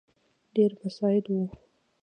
ډېر مساعد وو.